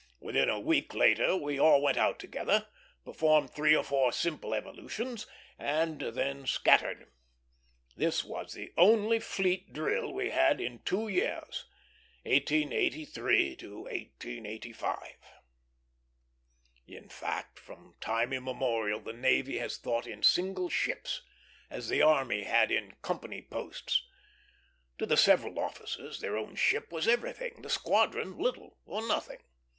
Within a week later we all went out together, performed three or four simple evolutions, and then scattered. This was the only fleet drill we had in the two years, 1883 1885. In fact, from time immemorial the navy had thought in single ships, as the army had in company posts. To the several officers their own ship was everything, the squadron little or nothing.